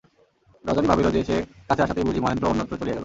রজনী ভাবিল যে, সে কাছে আসাতেই বুঝি মহেন্দ্র অন্যত্র চলিয়া গেল।